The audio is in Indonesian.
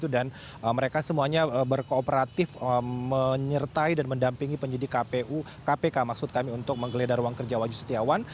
dan mereka semuanya berkooperatif menyertai dan mendampingi penyidik kpk maksud kami untuk menggeledah ruang kerja wahyu setiawan